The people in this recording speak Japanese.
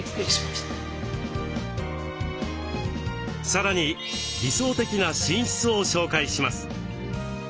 さらに理想的な寝室を紹介します。